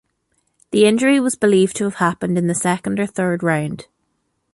The injury was believed to have happened in the second or third round.